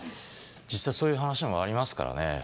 実際そういう話もありますからね。